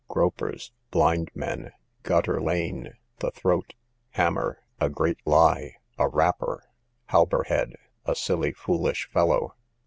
Gropers, blind men. Gutter lane, the throat. Hammer, a great lie, a rapper. Halberhead, a silly foolish fellow.